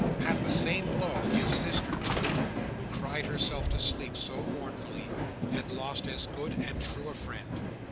At the same blow, his sister too, who cried herself to sleep so mournfully, had lost as good and true a friend.